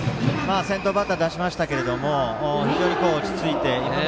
先頭バッター出しましたが非常に落ち着いて。